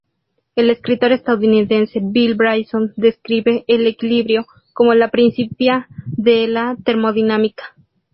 El escritor estadounidense Bill Bryson describe el "Equilibrio" como la "principia" de la termodinámica.